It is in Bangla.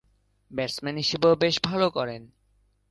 ব্যাটসম্যান হিসেবেও বেশ ভালো করেন।